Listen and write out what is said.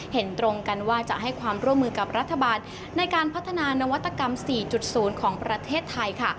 เห็นตรงกันว่าจะให้ความร่วมมือกับรัฐบาลในการพัฒนานวัตกรรม๔๐ของประเทศไทยค่ะ